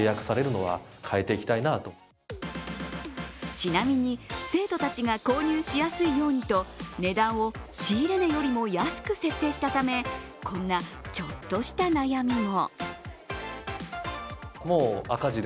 ちなみに、生徒たちが購入しやすいようにと、値段を仕入れ値よりも安く設定したため、こんなちょっとした悩みも。